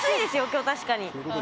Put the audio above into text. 今日確かに。